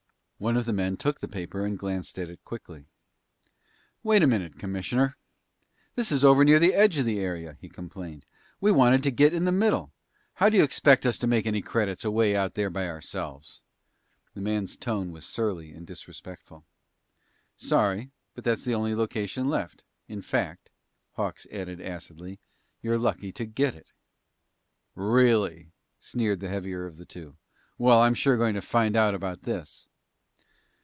One of the men took the paper and glanced at it quickly. "Wait a minute, Commissioner. This is over near the edge of the area," he complained. "We wanted to get in the middle. How do you expect us to make any credits away out there by ourselves?" The man's tone was surly and disrespectful. "Sorry, but that's the only location left. In fact," Hawks added acidly, "you're lucky to get it!" "Really?" sneered the heavier of the two. "Well, I'm sure going to find out about this!"